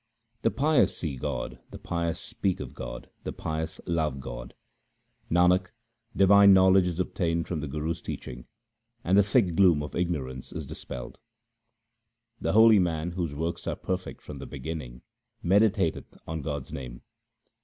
The pious see God, the pious speak of God, the pious love God. Nanak, divine knowledge is obtained from the Guru's teaching, and the thick gloom of ignorance is dispelled. The holy man, whose works are perfect from the beginning, meditateth on God's name.